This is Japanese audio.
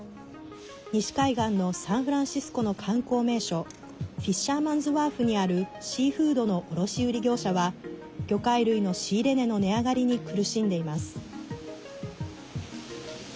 西海岸のサンフランシスコの観光名所フィッシャーマンズワーフにあるシーフードの卸売業者は魚介類の仕入れ値の値上がりに苦しんでします。